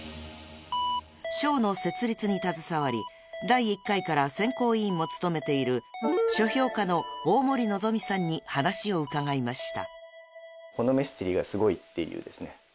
［賞の設立に携わり第１回から選考委員も務めている書評家の大森望さんに話を伺いました］